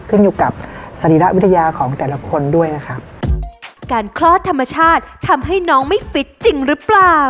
ขึ้นอยู่กับศรีระวิทยาของแต่ละคนด้วยนะครับ